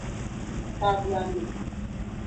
Taduame.